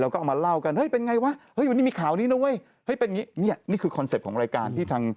ข่าวใส่ไข่